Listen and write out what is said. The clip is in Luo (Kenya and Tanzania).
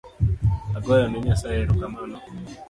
Agoyone Nyasaye erokamano